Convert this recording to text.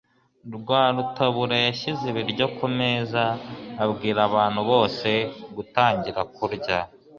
Rwarutabura yashyize ibiryo kumeza abwira abantu bose gutangira kurya.